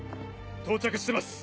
到着してます。